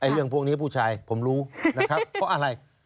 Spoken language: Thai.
เรื่องพวกนี้ผู้ชายผมรู้นะครับเพราะอะไร